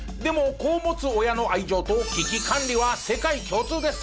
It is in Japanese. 子を持つ親の愛情と危機管理は世界共通です。